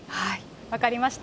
分かりました。